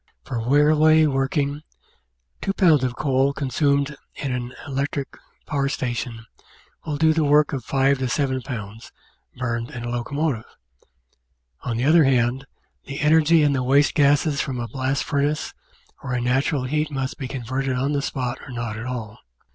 For railway working, 2 Ib. of coal consumed in an electric power station will do the work of 5 7 Ib. burned in a locomotive. On the other hand, the energy in the waste gases from a blast furnace or in natural heat must be converted on the spot or not at all.